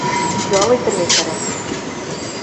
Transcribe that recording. Ял итергә кәрәк